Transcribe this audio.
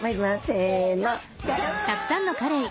せの。